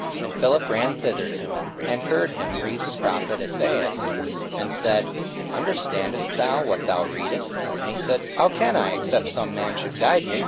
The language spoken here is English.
44:008:030 And Philip ran thither to him, and heard him read the prophet Esaias, and said, Understandest thou what thou readest? 44:008:031 And he said, How can I, except some man should guide me?